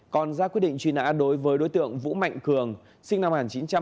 còn ra quyết định truy nã đối với đối tượng vũ mạnh cường sinh năm một nghìn chín trăm tám mươi